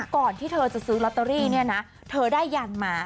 ก่อนที่เธอจะซื้อลอตเตอรี่เนี่ยนะเธอได้ยันมา